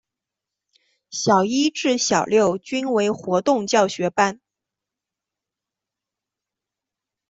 小一至小六均为活动教学班。